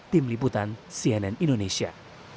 tim liputan cnn indonesia